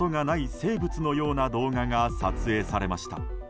生物のような動画が撮影されました。